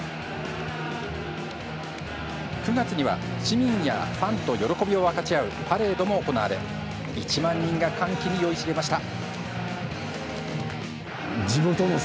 ９月には市民やファンと喜びを分かち合うパレードも行われ１万人が歓喜に酔いしれました。